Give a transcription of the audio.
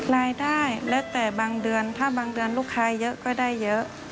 รายได้แล้วแต่บางเดือนถ้าบางเดือนลูกค้าเยอะก็ได้เยอะ